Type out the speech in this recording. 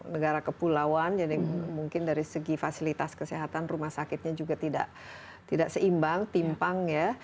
negara kepulauan jadi mungkin dari segi fasilitas kesehatan rumah sakitnya juga tidak seimbang timpang ya